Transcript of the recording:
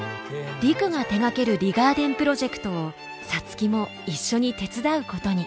陸が手がけるリガーデンプロジェクトを皐月も一緒に手伝うことに。